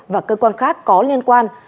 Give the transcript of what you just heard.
và cơ quan khác có liên quan